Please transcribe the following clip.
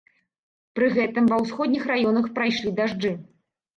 Пры гэтым ва ўсходніх раёнах прайшлі дажджы.